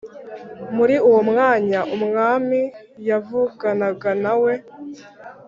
Muri uwo mwanya umwami yavuganaga nawe